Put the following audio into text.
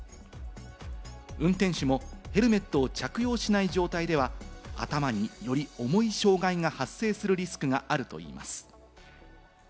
運転手もヘルメットを着用しない状態では、頭により重い障害が発生するリスクがあるといいます。